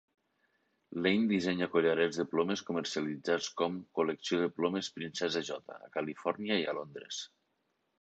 Lane dissenya collarets de plomes comercialitzats com "Col·lecció de Plomes Princesa J." a Califòrnia i a Londres.